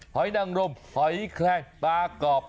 หอยนังรมหอยแคลงปลากรอบ